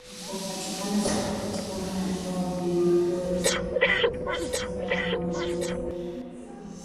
Hupatikana sana katika maeneo yenye wanyamapori